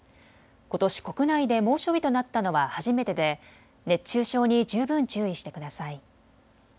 ことし国内で猛暑日となったのは初めてで熱中症に十分注意してください。